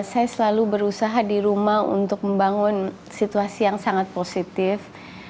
saya selalu berusaha di rumah untuk membangun situasi yang sangat positif